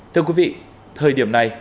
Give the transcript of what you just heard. thưa quý vị thời điểm này